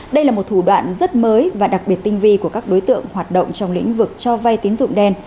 đây là một thủ đoạn rất mới và đặc biệt tinh vi của các đối tượng hoạt động trong lĩnh vực cho vay tín dụng đen